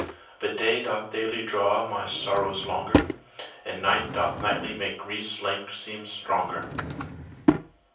But day doth daily draw my sorrows longer, And night doth nightly make grief's length seem stronger.